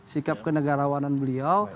sikap kenegarawanan beliau